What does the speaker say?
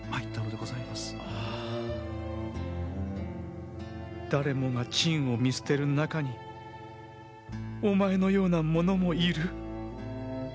ああ誰もが朕を見捨てる中にお前のような者もいる。